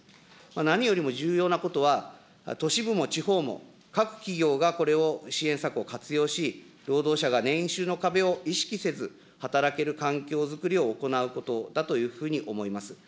何よりも重要なことは、都市部も地方も、各企業がこれを支援策を活用し、労働者が年収の壁を意識せず働ける環境づくりを行うことだというふうに思います。